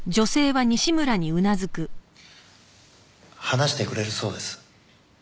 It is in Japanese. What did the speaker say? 話してくれるそうです。